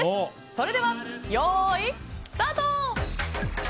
それでは、よーいスタート！